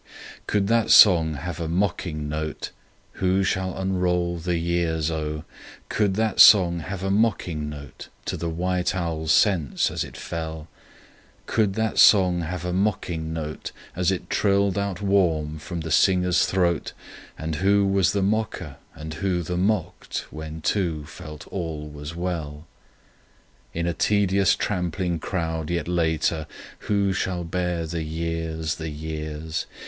Could that song have a mocking note?— Who shall unroll the years O!— Could that song have a mocking note To the white owl's sense as it fell? Could that song have a mocking note As it trilled out warm from the singer's throat, And who was the mocker and who the mocked when two felt all was well? In a tedious trampling crowd yet later— Who shall bare the years, the years!